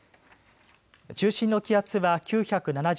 中心の気圧は９７０